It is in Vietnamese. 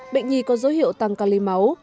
bệnh nhi có dấu hiệu tăng ca lê máu